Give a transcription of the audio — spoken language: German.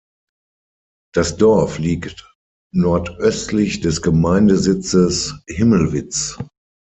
Das Dorf liegt nordöstlich des Gemeindesitzes Himmelwitz.